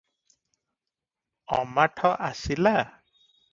ଅମାଠ ଆସିଲା?